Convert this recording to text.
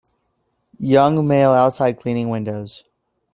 Young male outside cleaning windows.